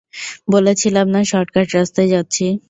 বলেছিলাম না, শর্টকার্ট রাস্তায় যাচ্ছি?